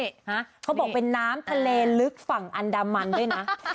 โอ้วเค้าบอกว่าเป็นน้ำทะเลลึกฝั่งอันดามันได้นะ